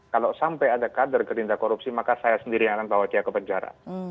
kalau sampai ada kader gerindra korupsi maka saya sendiri yang akan bawa dia ke penjara